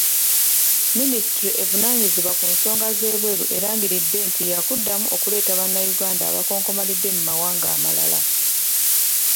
Minisitule evunaanyizibwa ku nsonga z'ebweru erangiridde nti yaakuddamu okuleeta bannayuganda abakonkomalidde mu mawanga amalala.